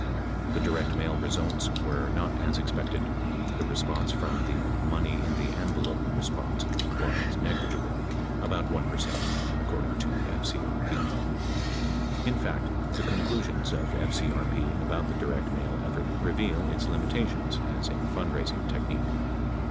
The direct mail results were not as expected. The response from the "money in the envelope" response was negligible — about 1 per cent, according to FCRP. In fact, the conclusions of FCRP about the direct mail effort reveal its limitations as a fundraising technique.